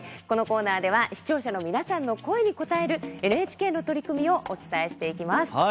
このコーナーでは視聴者の皆さんの声に応えるＮＨＫの取り組みをお伝えしていきます。